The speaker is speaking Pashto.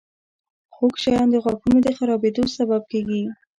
• خوږ شیان د غاښونو د خرابېدو سبب کیږي.